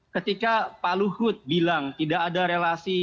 ketika pak luhut bilang tidak ada relasi